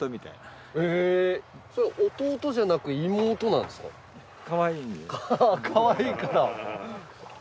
弟じゃなく妹なんですか？